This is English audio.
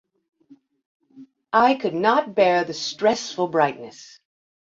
I could not bear the stressful brightness.